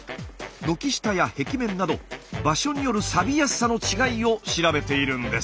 軒下や壁面など場所によるサビやすさの違いを調べているんです。